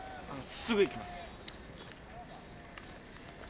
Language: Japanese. すぐ行きます。